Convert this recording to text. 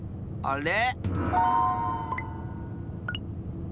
あれ？